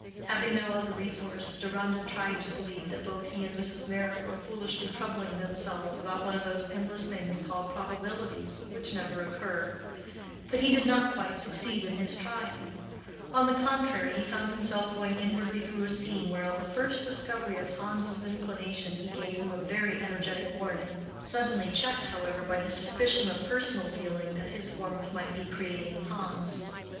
Having no other resource Deronda tried to believe that both he and Mrs. Meyrick were foolishly troubling themselves about one of those endless things called probabilities, which never occur; but he did not quite succeed in his trying; on the contrary, he found himself going inwardly through a scene where on the first discovery of Hans's inclination he gave him a very energetic warning—suddenly checked, however, by the suspicion of personal feeling that his warmth might be creating in Hans.